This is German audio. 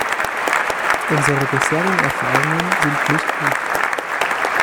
Unsere bisherigen Erfahrungen sind nicht gut.